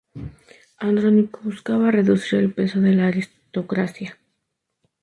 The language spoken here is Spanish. Andrónico buscaba reducir el peso de la aristocracia.